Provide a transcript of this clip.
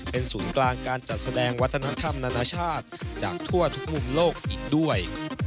เป็นศูนย์กลางการจัดแสดงวัฒนธรรมนานาชาติจากทั่วทุกมุมโลกอีกด้วย